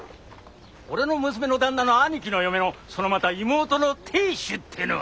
俺の娘の旦那の兄貴の嫁のそのまた妹の亭主ってのは？